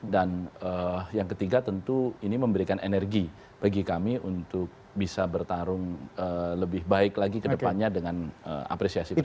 dan yang ketiga tentu ini memberikan energi bagi kami untuk bisa bertarung lebih baik lagi ke depannya dengan apresiasi presiden